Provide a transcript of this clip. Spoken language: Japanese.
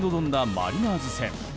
マリナーズ戦。